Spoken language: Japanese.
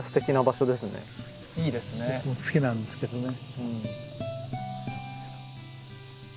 僕も好きなんですけどね。